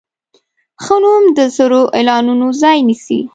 ښه نوم د زر اعلانونو ځای نیسي.